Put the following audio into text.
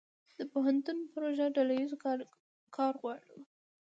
د پوهنتون پروژه ډله ییز کار غواړي.